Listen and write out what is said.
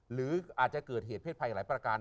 หรืออาจจะเกิดเหตุเพศภัยหลายประการ